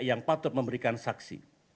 yang patut memberikan saksi